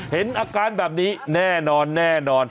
เห็นอาการแบบนี้แน่นอน